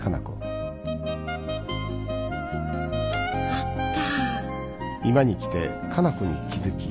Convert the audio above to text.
あった。